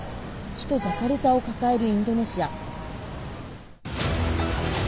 首都ジャカルタを抱えるインドネシア。